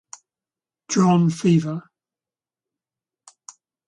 John Feaver.